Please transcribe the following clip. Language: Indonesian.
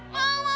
mau mau banget